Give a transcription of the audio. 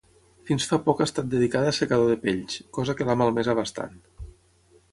Fins fa poc ha estat dedicada a assecador de pells, cosa que l'ha malmesa bastant.